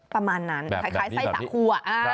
ประมาณนั้นคล้ายไส้สาคั่ว